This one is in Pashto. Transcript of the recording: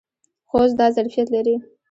خوست دا ظرفیت لري.